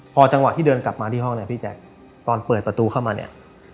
พอจังหวะที่เดินกลับมาที่ห้องเลยพี่แจ๊คตอนเปิดประตูเข้ามาเนี่ย